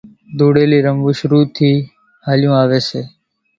ڌوڙيلي رموون شروع ٿي ھاليو آوي سي ريو